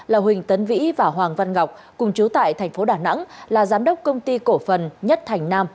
là huỳnh tấn vĩ và hoàng văn ngọc cùng chú tại thành phố đà nẵng là giám đốc công ty cổ phần nhất thành nam